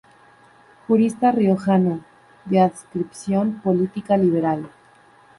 Jurista riojano, de adscripción política liberal.